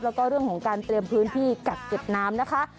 แล้วก็เรื่องของการเตรียมพื้นที่กักเก็บน้ำนะคะ